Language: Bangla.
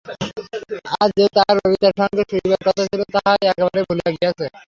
আজ যে তাহার ললিতার সঙ্গে শুইবার কথা ছিল তাহা সে একেবারেই ভুলিয়া গিয়াছে।